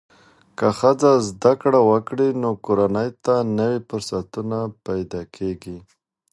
که ښځه زده کړه وکړي، نو کورنۍ ته نوې فرصتونه پیدا کېږي.